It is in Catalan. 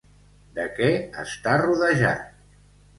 De què està rodejat?